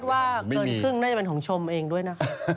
คิดว่าเกินครึ่งจะเป็นของชมเองด้วยนะ